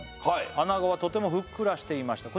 「穴子はとてもふっくらしていました」